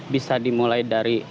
bisa dimulai dari